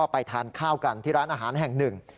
ไปทานข้าวกันที่ร้านอาหารแห่งหนึ่ง